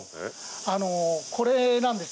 あのこれなんです。